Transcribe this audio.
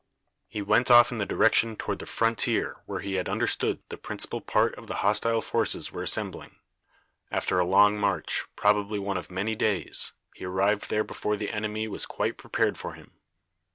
He went off in the direction toward the frontier where he had understood the principal part of the hostile forces were assembling. After a long march, probably one of many days, he arrived there before the enemy was quite prepared for him.